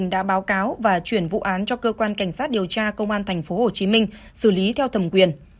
đã chuyển vụ án cho cơ quan cảnh sát điều tra công an tp hcm xử lý theo thẩm quyền